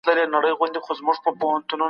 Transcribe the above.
د نورو مال ته سترګې مه نیغوئ.